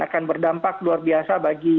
akan berdampak luar biasa bagi